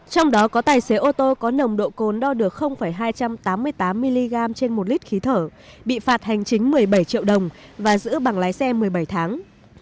trong đó có tài xế ô tô có nồng độ cồn đo được hai trăm tám mươi tám mg trên một lít khí thở bị phạt hành chính một mươi bảy triệu đồng và giữ bằng lái xe một mươi bảy tháng